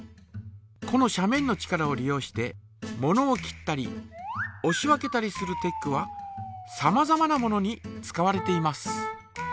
この斜面の力を利用してものを切ったりおし分けたりするテックはさまざまなものに使われています。